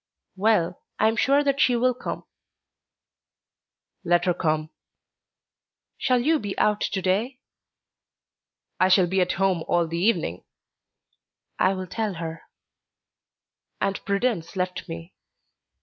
"Well, I am sure that she will come." "Let her come." "Shall you be out to day?" "I shall be at home all the evening." "I will tell her." And Prudence left me.